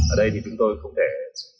ở đây thì chúng tôi không thể